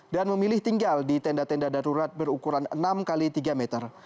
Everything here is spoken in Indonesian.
dan memilih tinggal di tenda tenda darurat berukuran enam x tiga meter